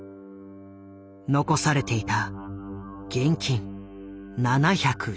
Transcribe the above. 残されていた現金７１１円。